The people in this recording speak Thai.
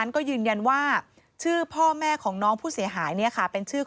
โปรดติดตามต่างกรรมโปรดติดตามต่างกรรม